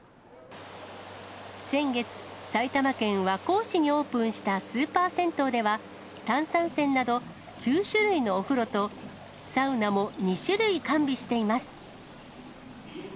先月、埼玉県和光市にオープンしたスーパー銭湯では、炭酸泉など９種類のお風呂と、サウナも２種類完備しています。